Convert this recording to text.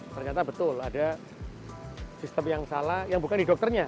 ternyata betul ada sistem yang salah yang bukan di dokternya